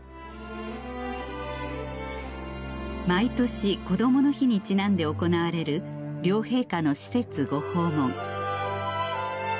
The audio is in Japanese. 毎年こどもの日にちなんで行われる両陛下の施設ご訪問